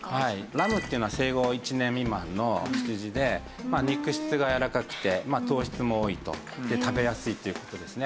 ラムっていうのは生後１年未満の羊で肉質がやわらかくて糖質も多いと。で食べやすいっていう事ですね。